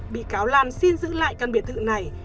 bà lan xin giữ lại căn biệt thự này